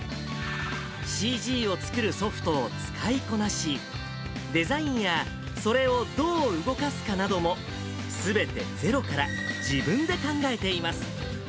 ＣＧを作るソフトを使いこなし、デザインや、それをどう動かすかなども、すべてゼロから、自分で考えています。